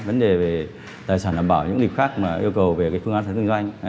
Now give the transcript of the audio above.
vấn đề về tài sản đảm bảo những lịch khác yêu cầu về phương án thân doanh